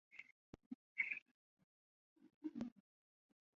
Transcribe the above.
野青茅为禾本科野青茅属下的一个种。